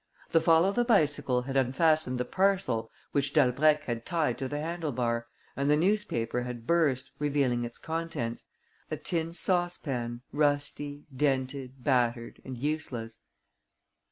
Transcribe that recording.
The fall of the bicycle had unfastened the parcel which Dalbrèque had tied to the handle bar; and the newspaper had burst, revealing its contents, a tin saucepan, rusty, dented, battered and useless.